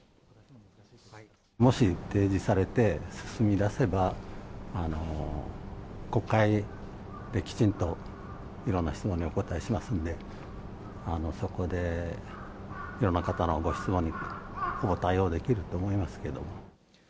もし提示されて、進み出せば、国会できちんといろんな質問にお答えしますので、そこでいろんな方のご質問にお答えをできると思いますけど。